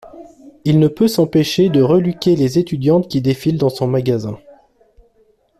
Il ne peut s'empêcher de reluquer les étudiantes qui défilent dans son magasin.